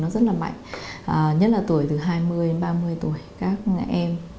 nó rất là mạnh nhất là tuổi từ hai mươi đến ba mươi tuổi các em